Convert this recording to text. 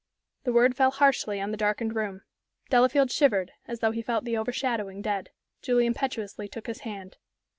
The word fell harshly on the darkened room. Delafield shivered, as though he felt the overshadowing dead. Julie impetuously took his hand.